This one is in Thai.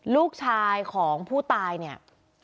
ลูกชายของผู้ตายเนี่ย